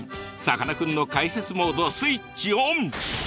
さかなクンの解説モードスイッチオン！